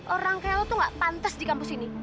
orang kayak lo tuh gak pantas di kampus ini